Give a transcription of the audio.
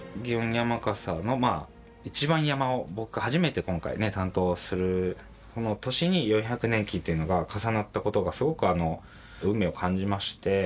山笠の一番山笠を僕は初めて今回ね担当するその年に４００年忌というのが重なったことがすごく運命を感じまして。